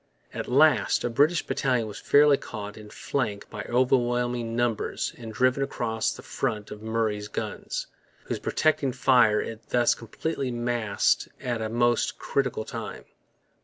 At last a British battalion was fairly caught in flank by overwhelming numbers and driven across the front of Murray's guns, whose protecting fire it thus completely masked at a most critical time.